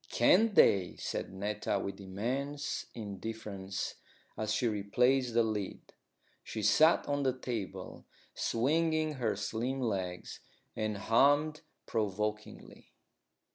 "Can't they?" said Netta with immense indifference, as she replaced the lid. She sat on the table, swinging her slim legs, and hummed provokingly.